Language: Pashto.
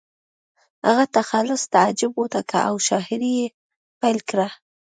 هغه تخلص تعجب وټاکه او شاعري یې پیل کړه